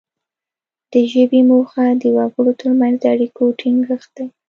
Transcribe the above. د ژبې موخه د وګړو ترمنځ د اړیکو ټینګښت دی